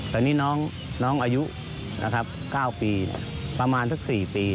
ตอนนี้น้องอายุ๙ปีประมาณสัก๔ปี